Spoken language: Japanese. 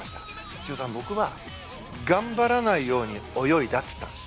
修造さん、僕は頑張らないように泳いだと言ったんです。